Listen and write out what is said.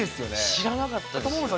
知らなかったです。